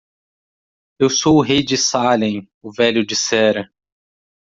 "Eu sou o rei de Salem?" o velho dissera.